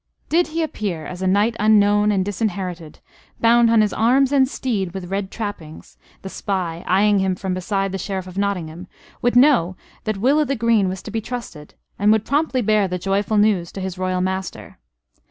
Did he appear as a knight unknown and disinherited, bound on his arms and steed with red trappings, the spy, eyeing him from beside the Sheriff of Nottingham, would know that Will o' th' Green was to be trusted, and would promptly bear the joyful news to his Royal Master.